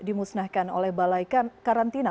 dimusnahkan oleh balaikan karantina